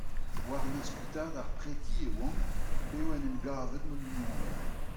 War-nes kuitaat ar preti e oan p'eo en em gavet ma mignoned.